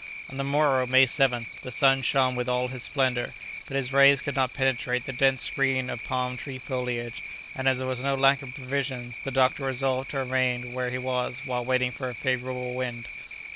On the morrow, May 7th, the sun shone with all his splendor, but his rays could not penetrate the dense screen of the palm tree foliage, and as there was no lack of provisions, the doctor resolved to remain where he was while waiting for a favorable wind.